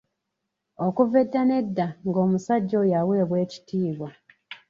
Okuva edda n'edda nga omusajja oyo aweebwa ekitiibwa.